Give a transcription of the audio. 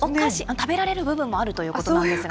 食べられる部分もあるということなんですが。